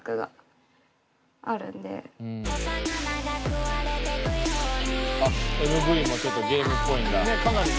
ＭＶもちょっとゲームっぽいんだ。